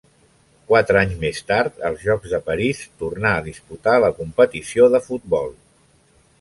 Quatre anys més tard, als Jocs de París tornà a disputar la competició de futbol.